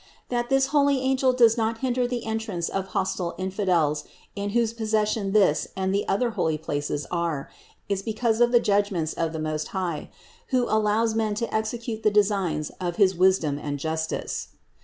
That this holy angel does not hinder the entrance of hostile infidels, in whose posses sion this and the other holy places are, is because of the judgments of the Most High, who allows men to execute the designs of his wisdom and justice.